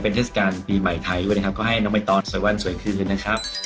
เป็นทุนกิจกรรมส่งความสุขขอบคุณผู้ชมครับ